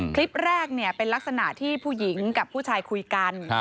คลิปแรกเป็นลักษณะที่ผู้หญิงกับผู้ชายคุยกัน